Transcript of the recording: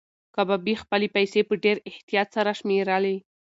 کبابي خپلې پیسې په ډېر احتیاط سره شمېرلې.